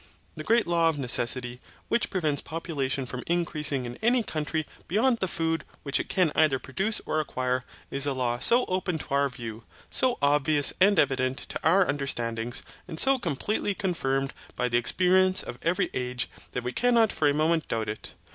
The great law of necessity which prevents population from increasing in any country beyond the food which it can either produce or acquire, is a law so open to our view, so obvious and evident to our understandings, and so completely confirmed by the experience of every age, that we cannot for a moment doubt it.